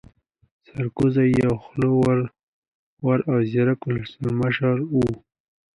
سرکوزی يو خوله ور او ځيرکا ولسمشر وو